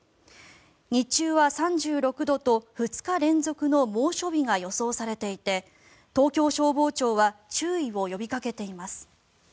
日中は３６度と２日連続の猛暑日が予想されていて東京消防庁は注意を呼びかけています。